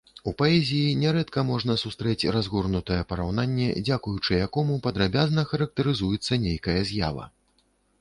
У паэзіі нярэдка можна сустрэць разгорнутае параўнанне, дзякуючы якому падрабязна характарызуецца нейкая з'ява.